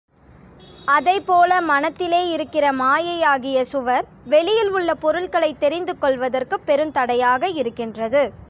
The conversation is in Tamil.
அதைப்போல மனத்திலே இருக்கிற மாயையாகிய சுவர் வெளியில் உள்ள பொருள்களைத் தெரிந்து கொள்வதற்குப் பெருந்தடையாக இருக்கின்றது.